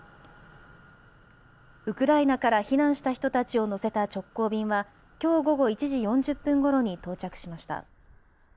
ウクライナから避難した人たちを乗せた直行便はきょう午後１時４０分ごろに到着しました。